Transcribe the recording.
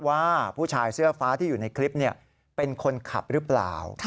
ว่าผู้ชายเสื้อฟ้าที่อยู่ในคลิปเป็นคนขับหรือเปล่า